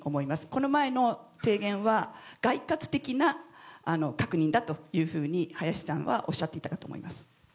この前の提言は、概括的な確認だというふうに、林さんはおっしゃっていたかと思います。